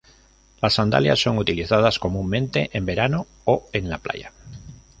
Las sandalias son utilizadas comúnmente en verano o en la playa.